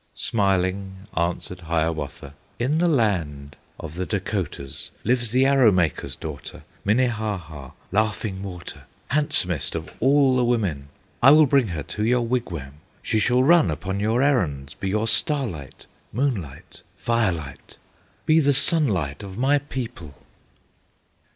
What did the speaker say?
Smiling answered Hiawatha: "In the land of the Dacotahs Lives the Arrow maker's daughter, Minnehaha, Laughing Water, Handsomest of all the women. I will bring her to your wigwam, She shall run upon your errands, Be your starlight, moonlight, firelight, Be the sunlight of my people!"